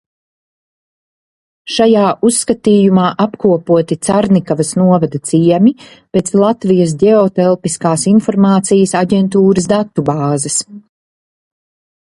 Šajā uzskatījumā apkopoti Carnikavas novada ciemi pēc Latvijas Ģeotelpiskās informācijas aģentūras datubāzes.